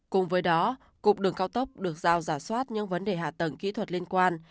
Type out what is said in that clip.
cùng với đó cục đường cao tốc được giao giả soát những vấn đề hạ tầng kỹ thuật liên quan